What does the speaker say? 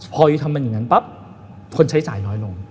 พอทำเป็นอย่างนั้นปั๊บคนใช้จ่ายน้อยลง